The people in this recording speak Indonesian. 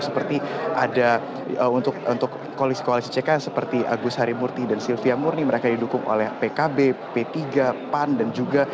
seperti ada untuk koalisi koalisi ck seperti agus harimurti dan silvia murni mereka didukung oleh pkb p tiga pan dan juga